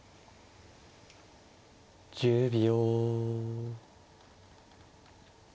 １０秒。